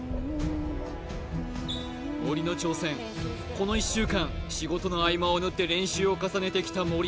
この１週間仕事の合間を縫って練習を重ねてきた森